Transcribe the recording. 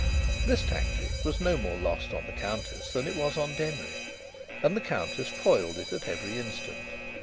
This tactic was no more lost on the Countess than it was on Denry. And the Countess foiled it at every instant.